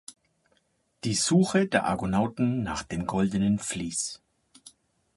Die Suche der Argonauten nach dem goldenen Vlies.